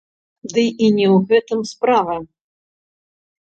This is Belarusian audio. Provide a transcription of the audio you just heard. Ды і не ў гэтым справа.